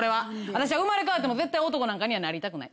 私は生まれ変わっても絶対男なんかにはなりたくない。